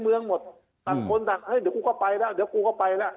เมืองหมดต่างคนต่างเฮ้ยเดี๋ยวกูก็ไปแล้วเดี๋ยวกูก็ไปแล้ว